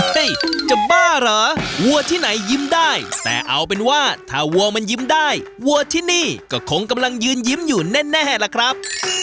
จะบ้าเหรอวัวที่ไหนยิ้มได้แต่เอาเป็นว่าถ้าวัวมันยิ้มได้วัวที่นี่ก็คงกำลังยืนยิ้มอยู่แน่ล่ะครับ